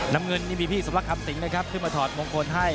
น้ำเงินนี่มีพี่สมรักคำสิงนะครับขึ้นมาถอดมงคลให้